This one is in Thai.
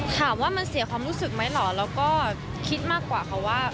ถามว่ามันเสียความรู้สึกไหมเหรอแล้วก็คิดมากกว่าค่ะว่า